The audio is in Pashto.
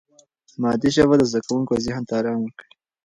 مادي ژبه د زده کوونکي ذهن ته آرام ورکوي.